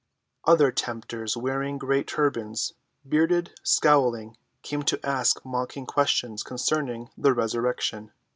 Other tempters wearing great turbans, bearded, scowling, came to ask mocking questions concerning the resurrection.